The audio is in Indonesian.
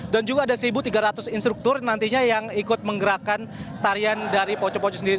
dan juga ada satu tiga ratus instruktur nantinya yang ikut menggerakkan tarian dari poco poco sendiri